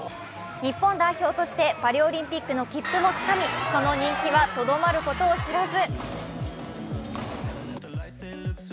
日本代表としてパリオリンピックの切符もつかみ、その人気はとどまることを知らず。